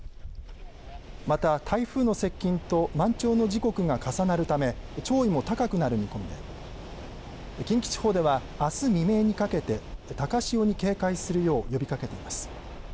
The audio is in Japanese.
また台風の接近と満潮の時刻が重なるため潮位も高くなる見込みで近畿地方では、あす未明にかけて高潮に警戒するよう呼びかけています。